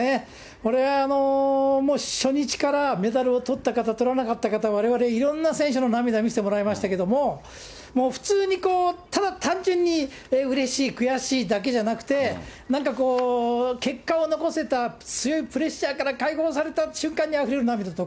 これ、初日からメダルをとった方、とらなかった方、われわれいろんな選手の涙見せてもらいましたけれども、もう普通にただ単純にうれしい、悔しいだけじゃなくて、なんかこう、結果を残せた強いプレッシャーから解放された瞬間にあふれる涙と